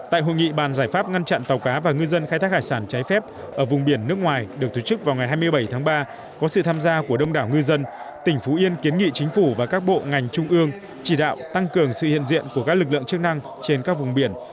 tại hội nghị bàn giải pháp ngăn chặn tàu cá và ngư dân khai thác hải sản trái phép ở vùng biển nước ngoài được tổ chức vào ngày hai mươi bảy tháng ba có sự tham gia của đông đảo ngư dân tỉnh phú yên kiến nghị chính phủ và các bộ ngành trung ương chỉ đạo tăng cường sự hiện diện của các lực lượng chức năng trên các vùng biển